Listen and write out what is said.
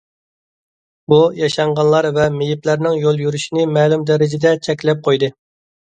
بۇ، ياشانغانلار ۋە مېيىپلەرنىڭ يول يۈرۈشىنى مەلۇم دەرىجىدە چەكلەپ قويدى.